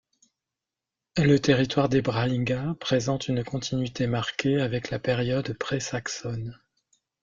Le territoire des Brahhingas présente une continuité marquée avec la période pré-saxonne.